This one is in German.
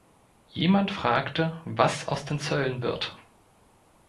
Jemand fragte, was aus den Zöllen wird.